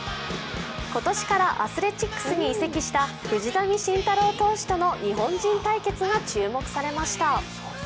今年からアスレチックスに移籍した藤浪晋太郎選手との日本人対決が注目されました。